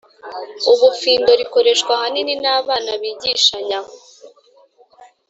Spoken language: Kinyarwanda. ubufindo, rikoreshwa ahanini n'abana bigishanya